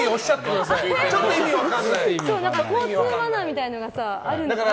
交通マナーみたいなのがあるのかな。